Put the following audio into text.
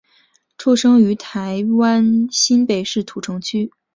出生于台湾新北市土城区。